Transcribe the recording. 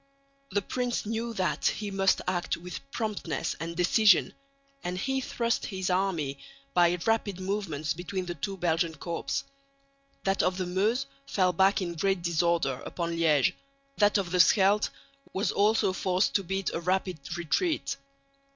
The prince knew that he must act with promptness and decision, and he thrust his army by rapid movements between the two Belgian corps. That of the Meuse fell back in great disorder upon Liège; that of the Scheldt was also forced to beat a rapid retreat.